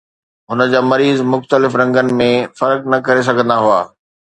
هن جا مريض مختلف رنگن ۾ فرق نه ڪري سگهندا هئا